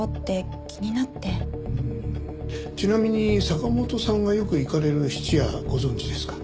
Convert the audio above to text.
ちなみに坂本さんがよく行かれる質屋ご存じですか？